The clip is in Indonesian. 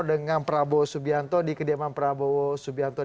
dengan prabowo subianto di kediaman prabowo subianto